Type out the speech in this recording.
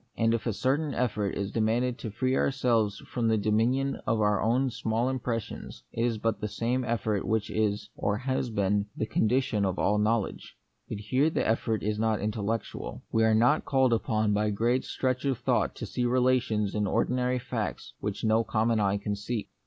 And if a certain effort is de manded to free ourselves from the dominion of our own too small impressions, it is but the same effort which is, or has been, the condi tion of all knowledge. But here the effort is not intellectual. We are not called upon by great stretch of thought to see relations in ordinary facts which no common eye can see.